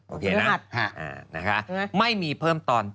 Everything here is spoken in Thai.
โอเคนะไม่มีเพิ่มตอน